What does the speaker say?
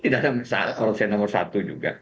tidak ada urusan nomor satu juga